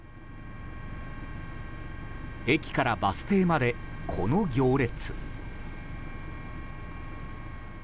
駅からバス停まで、この行列。